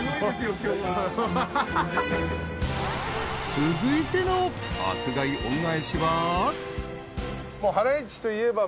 ［続いての爆買い恩返しは］